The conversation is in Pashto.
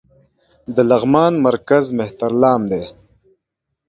د لغمان مرکز مهترلام دى